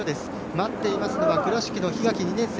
待っていますのは倉敷の檜垣、２年生。